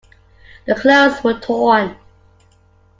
The clothes were torn.